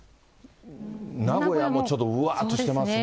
名古屋もちょっと、うわーっとしてますね。